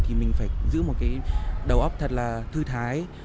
thì mình phải giữ một cái đầu óc thật là thư thái